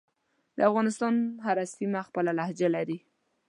دافغانستان هره سیمه خپله لهجه لری